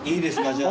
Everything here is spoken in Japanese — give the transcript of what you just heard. じゃあ。